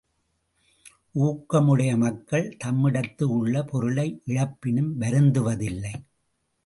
ஊக்கமுடைய மக்கள் தம்மிடத்து உள்ள பொருளை இழப்பினும் வருந்துவதில்லை.